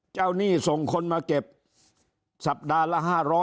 หนี้ส่งคนมาเก็บสัปดาห์ละ๕๐๐